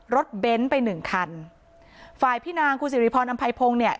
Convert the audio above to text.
เบ้นไปหนึ่งคันฝ่ายพี่นางคุณสิริพรอำไพพงศ์เนี่ย